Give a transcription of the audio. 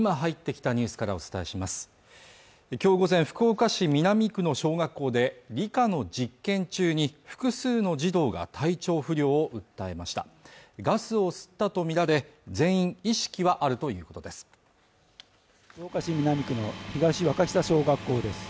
きょう午前福岡市南区の小学校で理科の実験中に複数の児童が体調不良を訴えましたガスを吸ったと見られ全員、意識はあるということです